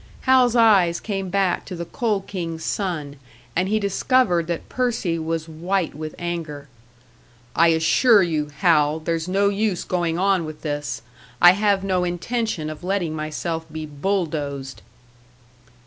Hal's eyes came back to the Coal King's son, and he discovered that Percy was white with anger. "I assure you, Hal, there's no use going on with this. I have no intention of letting myself be bulldozed."